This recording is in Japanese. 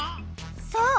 そう！